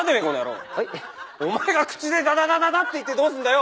お前が口でだだだだだって言ってどうすんだよ？